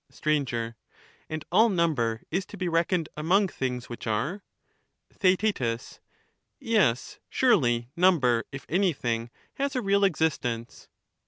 Str. And all number is to be reckoned among things which are? TheaeL Yes, surely number, if anything, has a real ex istence.